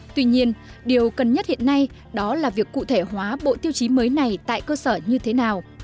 tuy nhiên điều cần nhất hiện nay đó là việc cụ thể hóa bộ tiêu chí mới này tại cơ sở như thế nào